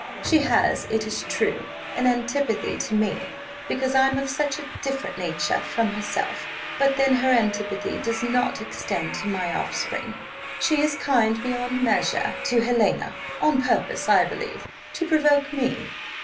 She has, it is true, an antipathy to me, because I'm of such a different nature from herself; but then her antipathy does not extend to my offspring: she is kind beyond measure to Helena, on purpose, I believe, to provoke me.